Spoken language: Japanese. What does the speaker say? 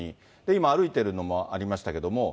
今、歩いているのもありましたけれども。